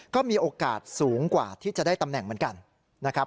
ก็มีโอกาสสูงกว่าที่จะได้ตำแหน่งเหมือนกันนะครับ